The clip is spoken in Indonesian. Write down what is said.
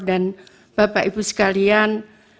dan bapak ibu sekalian